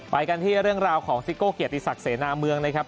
ไปกันที่เรื่องราวของซิโก้เกียรติศักดิเสนาเมืองนะครับ